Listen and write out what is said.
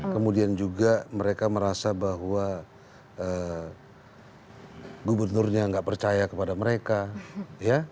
kemudian juga mereka merasa bahwa gubernurnya nggak percaya kepada mereka ya